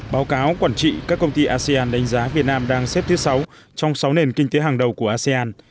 báo cáo quản trị các công ty asean đánh giá việt nam đang xếp thứ sáu trong sáu nền kinh tế hàng đầu của asean